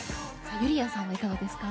ゆりやんさんはいかがですか？